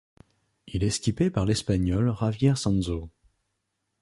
Il est skippé par l'Espagnol Javier Sansó.